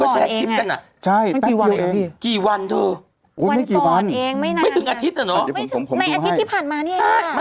ขึ้นในอาทิตย์ที่ผ่านมาเนี่ยเนี่ยว่ะ